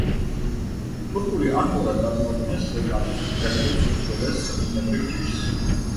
თურქული ანგორა წარმოადგენს კატის ერთ-ერთ უძველეს ბუნებრივ ჯიშს.